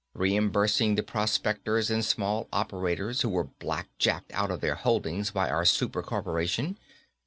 Reimbursing the prospectors and small operators who were blackjacked out of their holdings by our super corporation.